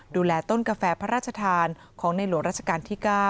ดูแลต้นกาแฟพระราชทานของในหลวงราชการที่๙